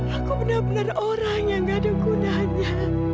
aku benar benar orang yang gak ada gunanya